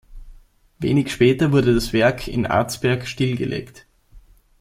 Wenig später wurde das Werk in Arzberg stillgelegt.